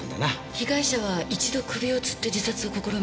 被害者は一度首を吊って自殺を試みた。